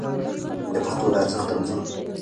د پښتو د ارزښت انځور